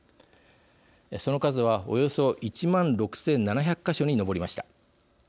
その数はおよそ１万６７００か所に上りました。